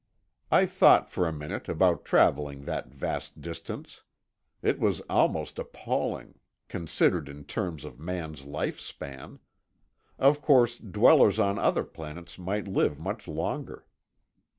I thought for a minute about traveling that vast distance. It was almost appalling, considered in terms of man's life span. Of course, dwellers on other planets might live much longer.